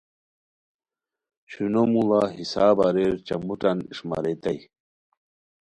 شونو موڑا حساب اریر چموٹان اݰماریتائے